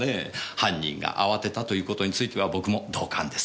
犯人が慌てたということについては僕も同感です。